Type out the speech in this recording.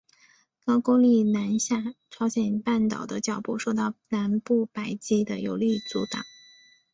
高句丽南下朝鲜半岛的脚步受到南部百济的有力阻挡。